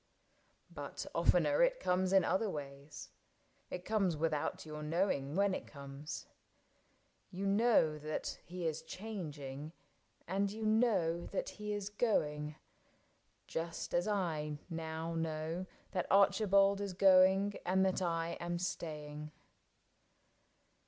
But oftener it comes in other ways ; It comes without your knowing when it comes ; You know that he is changing, and you know ISAAC AND ARCHIBALD 89 That he is going — just as I know now That Archibald is going and that I Am staying.